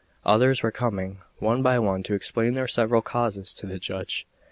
Others were coming, one by one, to explain their several causes to the judge.